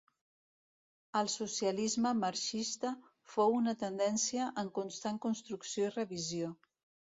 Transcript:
El Socialisme marxista fou una tendència en constant construcció i revisió.